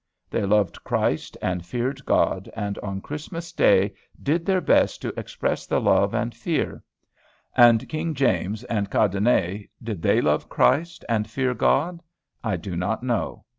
They loved Christ and feared God, and on Christmas day did their best to express the love and the fear. And King James and Cadenet, did they love Christ and fear God? I do not know.